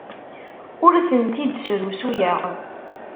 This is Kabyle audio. Ur tent-id-srusuyeɣ.